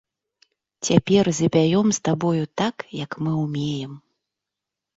Цяпер запяём з табою так, як мы ўмеем!